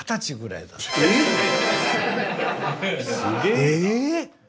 ⁉すげえな。